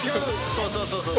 そうそうそうそう。